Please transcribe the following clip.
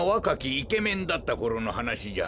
イケメンだったころのはなしじゃ。